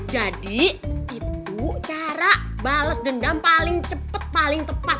jadi itu cara bales dendam paling cepet paling tepat